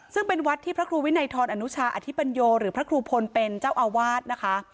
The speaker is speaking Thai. ซึ่งเป็นวัดที่พระครูวินัยทรอนุชาอธิปัญโยหรือพระครูพลเป็นเจ้าอาวาสนะคะ